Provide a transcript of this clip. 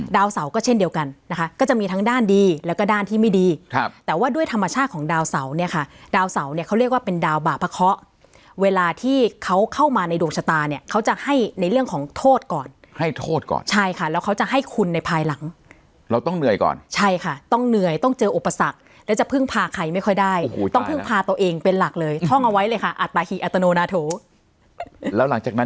ดาวเสาก็เช่นเดียวกันนะคะก็จะมีทั้งด้านดีแล้วก็ด้านที่ไม่ดีครับแต่ว่าด้วยธรรมชาติของดาวเสาเนี้ยค่ะดาวเสาเนี้ยเขาเรียกว่าเป็นดาวบาปะเคาะเวลาที่เขาเข้ามาในดวงชะตาเนี้ยเขาจะให้ในเรื่องของโทษก่อนให้โทษก่อนใช่ค่ะแล้วเขาจะให้คุณในภายหลังเราต้องเหนื่อยก่อนใช่ค่ะต้องเหนื่อยต้องเจออุปสร